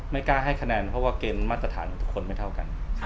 ไม่กล้าให้คะแนนเพราะว่าเกณฑ์มาตรฐานทุกคนไม่เท่ากัน